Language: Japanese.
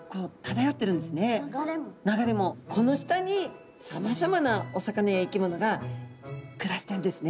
この下にさまざまなお魚や生き物が暮らしてるんですね。